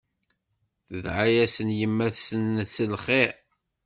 Tedɛa-yasen yemma-tsen s lxir.